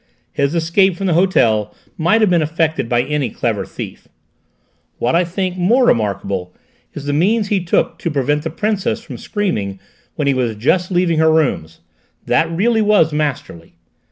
"His escape from the hotel might have been effected by any clever thief. What I think more remarkable is the means he took to prevent the Princess from screaming when he was just leaving her rooms: that really was masterly.